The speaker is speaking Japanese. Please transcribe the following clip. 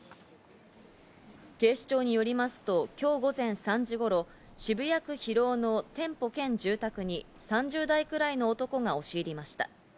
警視庁によりますと、今日午前３時頃、渋谷区広尾の店舗兼住宅に３０代くらいの男が押し入りました。